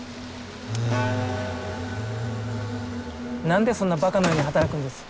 何でそんなバカのように働くんです？